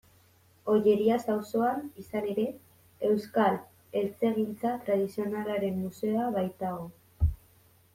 Ollerias auzoan, izan ere, Euskal Eltzegintza Tradizionalaren Museoa baitago.